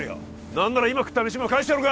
何なら今食った飯も返してやろうか？